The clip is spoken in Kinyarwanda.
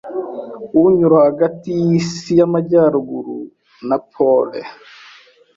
unyura hagati yisi y'Amajyaruguru na Pole